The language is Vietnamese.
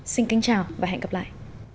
xin kính chào và hẹn gặp lại